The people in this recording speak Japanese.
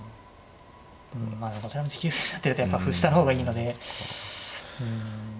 うんまあこちらも持久戦になってるとやっぱ歩下の方がいいので。